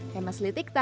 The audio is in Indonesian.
hemes litikta jakarta